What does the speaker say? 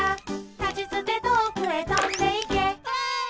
「たちつてとおくへとんでいけ」わい！